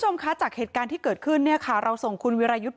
คุณผู้ชมคะจากเหตุการณ์ที่เกิดขึ้นเนี่ยค่ะเราส่งคุณวิรายุทธ์